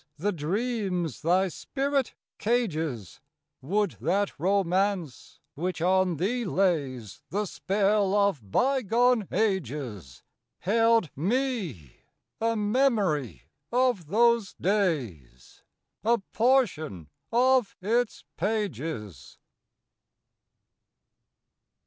The dreams thy spirit cages, Would that Romance which on thee lays The spell of bygone ages Held me! a memory of those days, A portion of its pages!